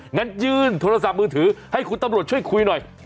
งั้นยื่นโทรศัพท์มือถือให้คุณตำรวจช่วยคุยหน่อย